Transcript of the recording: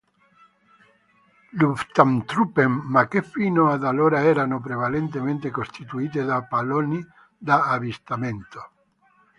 Luftfahrtruppen, ma che fino ad allora erano prevalentemente costituite da palloni da avvistamento.